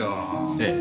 ええ。